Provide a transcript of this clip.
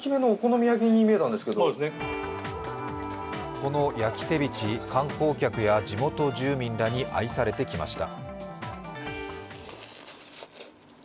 この焼きてびち、観光客や地元住民たちに愛されてきました。